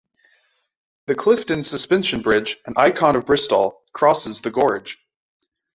The Clifton Suspension Bridge, an icon of Bristol, crosses the gorge.